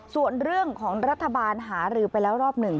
ส่วนเรื่องของรัฐบาลหารือไปแล้วรอบหนึ่ง